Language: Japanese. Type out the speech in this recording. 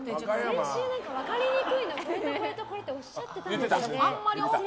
先週分かりにくいのこれとこれっておっしゃっていたんですよね。